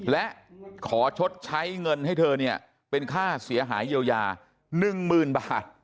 และขอชดใช้เงินให้เธอเนี่ยเป็นค่าเสียหายเยียวยา๑๐๐๐บาท